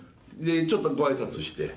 ちょっとご挨拶して。